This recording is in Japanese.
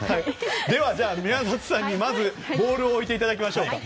では宮里さんに、まずボールを置いていただきましょうか。